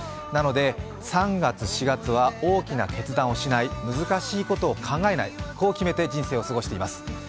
なので３月、４月は大きな決断をしないね難しいことを考えないと決めて人生を過ごしています。